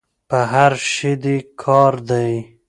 په هر شي دي کار دی.